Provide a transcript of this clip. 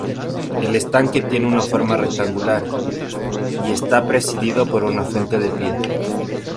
El estanque tiene forma rectangular y está presidido por una fuente de piedra.